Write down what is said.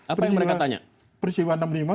apa yang mereka tanya